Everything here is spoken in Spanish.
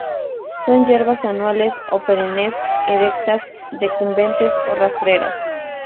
Son hierbas anuales o perennes, erectas, decumbentes o rastreras.